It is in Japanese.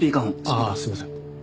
ああすいません。